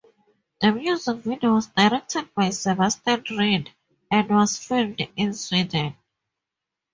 The music video was directed by Sebastian Reed and was filmed in Sweden.